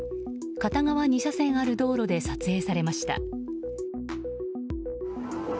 片側２車線ある道路で撮影されました。